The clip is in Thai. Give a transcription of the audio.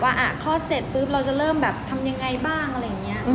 ว่าคลอดเสร็จปุ๊บเราจะเริ่มแบบทำยังไงบ้างอะไรอย่างนี้